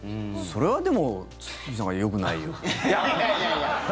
それはでも、堤さんがよくないよ。